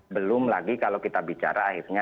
belum lagi kalau kita bicara akhirnya